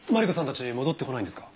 たち戻ってこないんですか？